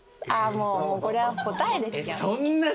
もうこれは答えですよ